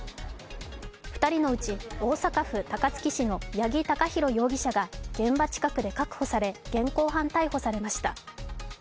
２人のうち大阪府高槻市の八木貴寛容疑者が現場近くで確保され現行犯逮捕されました。